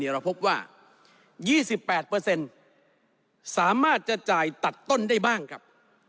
เราพบว่า๒๘สามารถจะจ่ายตัดต้นได้บ้างครับ